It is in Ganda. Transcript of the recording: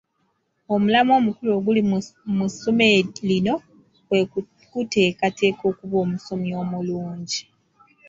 Omulamwa omukulu oguli mu essomo lino kwe kukuteekateeka okuba omusomi omulungi.